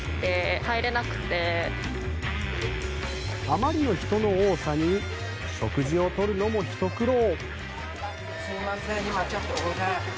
あまりの人の多さに食事を取るのもひと苦労。